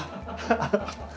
ハハハハッ。